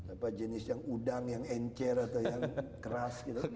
apa jenis yang udang yang encer atau yang keras gitu